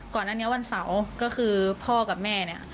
ก่อนอันนี้วันเสาร์ก็คือพ่อกับแม่เนี่ย